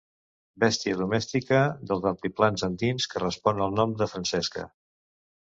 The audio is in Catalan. Bèstia domèstica dels altiplans andins que respon al nom de Francesca.